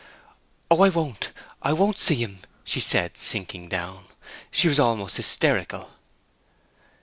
"Oh, I won't, I won't see him," she said, sinking down. She was almost hysterical.